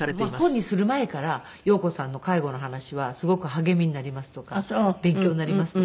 本にする前から「陽子さんの介護の話はすごく励みになります」とか「勉強になります」とかって。